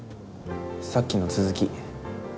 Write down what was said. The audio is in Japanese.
さっきの続き。